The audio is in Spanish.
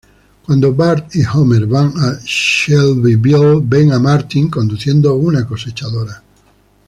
Cuando Bart y Homer van a Shelbyville, ven a Martin conduciendo una cosechadora.